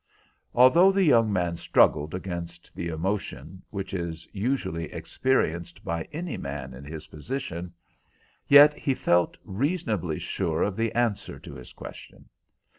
Although the young man struggled against the emotion, which is usually experienced by any man in his position, yet he felt reasonably sure of the answer to his question.